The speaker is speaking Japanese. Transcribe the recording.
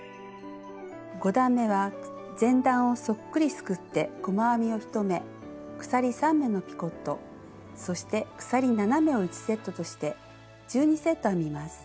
５段めは前段をそっくりすくって細編みを１目鎖３目のピコットそして鎖７目を１セットとして１２セット編みます。